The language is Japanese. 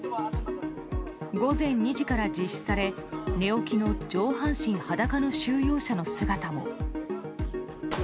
午前２時から実施され寝起きの上半身裸の収容者の姿も。